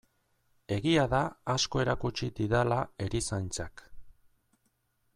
Egia da asko erakutsi didala erizaintzak.